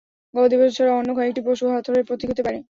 গবাদি পশু ছাড়াও অন্য কয়েকটি পশু হাথোরের প্রতীক হতে পারে।